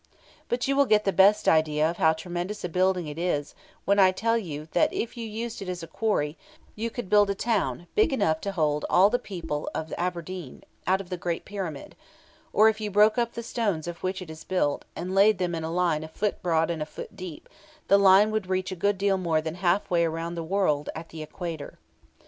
But you will get the best idea of how tremendous a building it is when I tell you that if you used it as a quarry, you could build a town, big enough to hold all the people of Aberdeen, out of the Great Pyramid; or if you broke up the stones of which it is built, and laid them in a line a foot broad and a foot deep, the line would reach a good deal more than halfway round the world at the Equator.